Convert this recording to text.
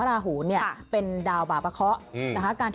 รักษา